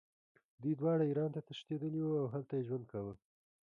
دوی دواړه ایران ته تښتېدلي وو او هلته یې ژوند کاوه.